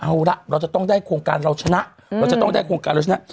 เอาละเราจะต้องได้โครงการเราชนะเราจะต้องได้โครงการเราชนะ